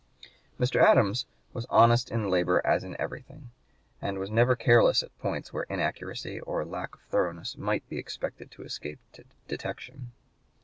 Mr. Adams was honest in labor as in everything, and was never careless at points where inaccuracy or lack of thoroughness might be expected to escape detection.